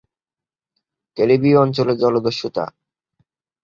ক্যারেবীয় অঞ্চলে জলদস্যুতা